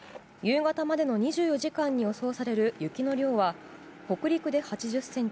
夕方までの２４時間に予想される雪の量は、北陸で８０ｃｍ